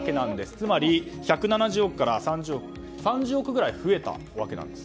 つまり１７０億円から３０億円ぐらい増えたわけです。